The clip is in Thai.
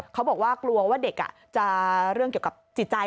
เขาบอกว่ากลัวว่าเด็กจะเรื่องเกี่ยวกับจิตใจ